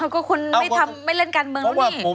ก็คุณไม่เล่นการเมืองแล้วนี่